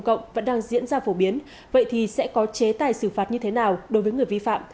cộng vẫn đang diễn ra phổ biến vậy thì sẽ có chế tài xử phạt như thế nào đối với người vi phạm